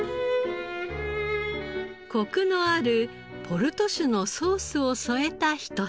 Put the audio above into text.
コクのあるポルト酒のソースを添えたひと皿。